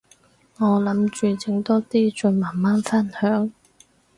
我諗住整多啲，再慢慢分享